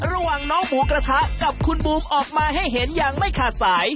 ระหว่างน้องหมูกระทะกับคุณบูมออกมาให้เห็นอย่างไม่ขาดสาย